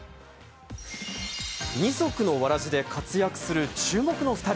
二足のわらじで活躍する注目の２人。